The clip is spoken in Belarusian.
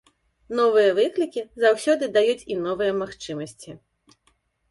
Новыя выклікі заўсёды даюць і новыя магчымасці.